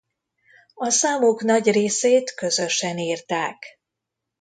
A számok nagy részét közösen írták.